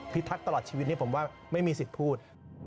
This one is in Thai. พิทักรัฐ๕ตลอดชีวิตในผมว่าไม่มีสิทธิ์พูด